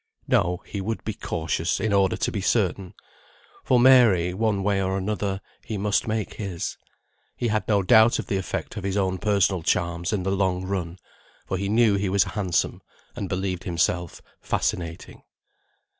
No, he would be cautious in order to be certain; for Mary, one way or another, he must make his. He had no doubt of the effect of his own personal charms in the long run; for he knew he was handsome, and believed himself fascinating.